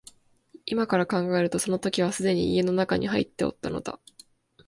今から考えるとその時はすでに家の内に入っておったのだ